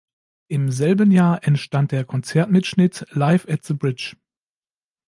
Im selben Jahr entstand der Konzertmitschnitt "Live at the Bridge".